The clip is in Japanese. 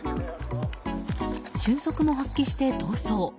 俊足も発揮して逃走。